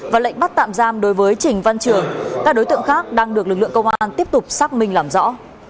với trình văn trường các đối tượng khác đang được lực lượng công an tiếp tục xác minh làm rõ